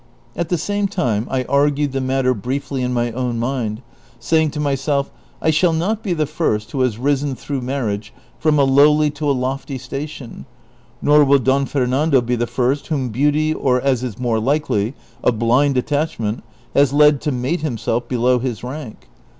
At the same time I argued the matter briefly in my own mind, say ing to myself, "I shall not be the first wiio has risen thi ough marriage from a lowly to a lofty station, nor will Don Fernando be the first vvliom beaut}' or, as is more likely, a blind attachment, has led to mate himself below his rank.